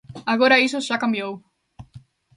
Agora iso xa cambiou.